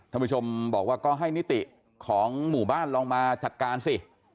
ท่านผู้ชมบอกว่าก็ให้นิติของหมู่บ้านลองมาจัดการสิ